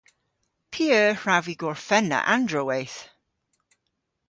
P'eur hwrav vy gorfenna androweyth?